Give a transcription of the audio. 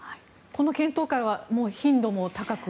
この検討会は頻度も高く？